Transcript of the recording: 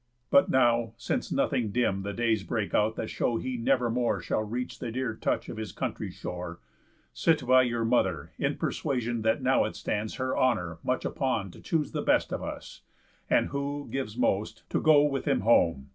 But now, since nothing dim The days break out that show he never more Shall reach the dear touch of his country shore, Sit by your mother, in persuasion That now it stands her honour much upon To choose the best of us, and, who gives most, To go with him home.